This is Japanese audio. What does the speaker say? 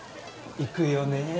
いくよね？